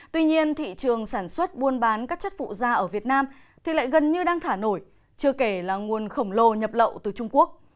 tuy nhiên thị trường sản xuất buôn bán các chất phụ da ở việt nam thì lại gần như đang thả nổi chưa kể là nguồn khổng lồ nhập lậu từ trung quốc